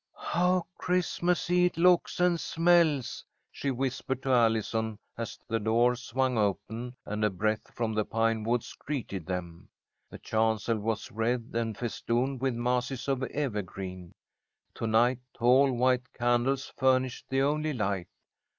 "How Christmasey it looks and smells," she whispered to Allison, as the doors swung open and a breath from the pine woods greeted them. The chancel was wreathed and festooned with masses of evergreen. To night tall white candles furnished the only light.